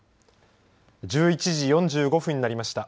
１１時４５分になりました。